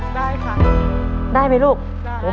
สวัสดีครับ